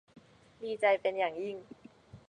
ดีใจเป็นอย่างยิ่ง